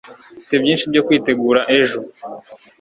Mfite byinshi byo kwitegura ejo